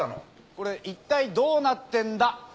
これいったいどうなってんだ？